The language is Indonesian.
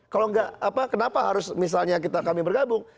kalau nggak kenapa harus misalnya kita bergabung